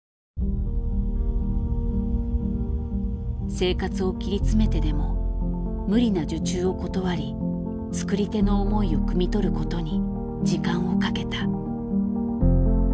生活を切り詰めてでも無理な受注を断り作り手の思いをくみ取ることに時間をかけた。